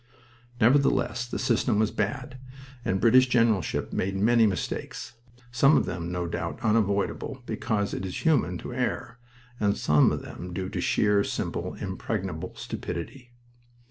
Nevertheless the system was bad and British generalship made many mistakes, some of them, no doubt, unavoidable, because it is human to err, and some of them due to sheer, simple, impregnable stupidity.